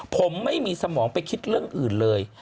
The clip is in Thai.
ผมไม่มีสมองไปคิดเรื่องอื่นเลย